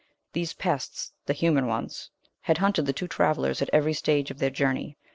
These pests the human ones had hunted the two travellers at every stage of their journey.